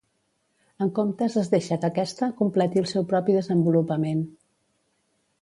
En comptes es deixa que aquesta completi el seu propi desenvolupament.